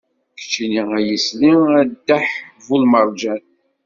Keččini ay isli, a ddeḥ bu lmerǧan.